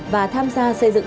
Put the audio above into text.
và tham gia xây dựng